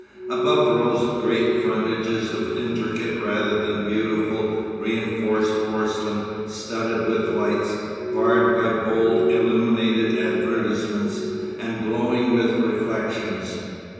Above rose great frontages of intricate rather than beautiful reinforced porcelain, studded with lights, barred by bold illuminated advertisements, and glowing with reflections.